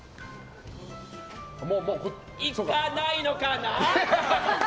いかないのかな？